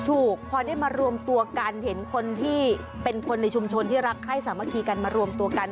ถูกพอได้มารวมตัวกันเห็นคนที่เป็นคนในชุมชนที่รักไข้สามัคคีกันมารวมตัวกัน